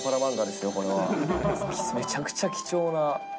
めちゃくちゃ貴重な。